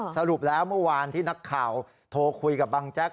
สรุปแล้วเมื่อวานที่นักข่าวโทรคุยกับบังแจ๊ก